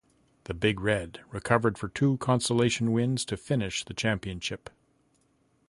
The Big Red recovered for two consolation wins to finish the championship.